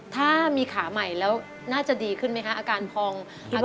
ถ้ามีขาใหม่แล้วน่าจะดีขึ้นไหมคะอาการพอง